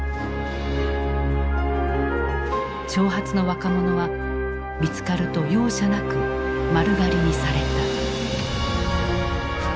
長髪の若者は見つかると容赦なく丸刈りにされた。